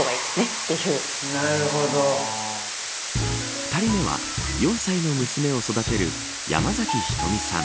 ２人目は、４歳の娘を育てるやまざきひとみさん。